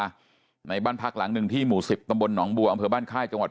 พาลาในบ้านพักหลังหนึ่งที่หมู่๑๐ตำบลหนองบัวบ้านไคร้จังหวัด